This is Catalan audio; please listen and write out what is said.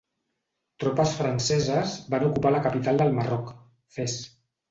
Tropes franceses van ocupar la capital del Marroc, Fes.